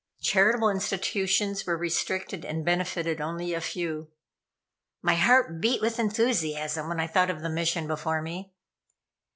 Charitable institutions were restricted, and benefited only a few. My heart beat with enthusiasm when I thought of the mission before me.